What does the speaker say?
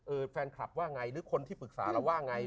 แฟนคลับว่าไงหรือคนที่ปรึกษาเราว่าไง